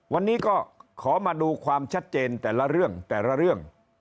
วันนี้ก็ขอมาดูความชัดเจนแต่ละเรื่องแต่ละเรื่อง